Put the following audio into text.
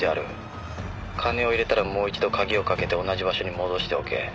金を入れたらもう一度鍵をかけて同じ場所に戻しておけ。